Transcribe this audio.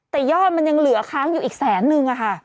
แต่ยอดมันยังเหลือค้างอยู่อีกแสนนึงอะค่ะ